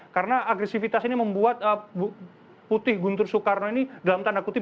karena agresivitas ini membuat putih guntur soekarno ini dalam tanda kutip